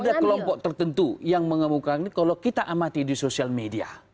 ada kelompok tertentu yang mengemukakan ini kalau kita amati di sosial media